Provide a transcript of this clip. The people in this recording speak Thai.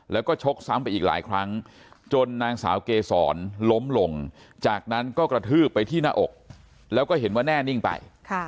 แล้วก็ชกซ้ำไปอีกหลายครั้งจนนางสาวเกษรล้มลงจากนั้นก็กระทืบไปที่หน้าอกแล้วก็เห็นว่าแน่นิ่งไป